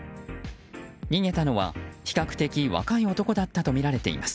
逃げたのは比較的若い男だったとみられています。